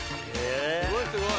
すごいすごい。